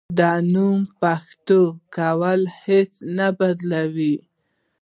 د نوم پښتو کول هیڅ نه بدلوي.